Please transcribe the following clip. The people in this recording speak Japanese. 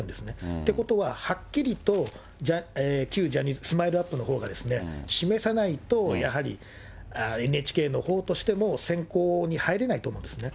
ってことは、はっきりと旧ジャニーズ、ＳＭＩＬＥーＵＰ．のほうが示さないと、やはりＮＨＫのほうとしても選考に入れないと思うんですね。